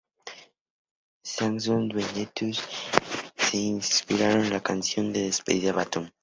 El Sanctus y el Benedictus se inspiraron en una canción de despedida bantú.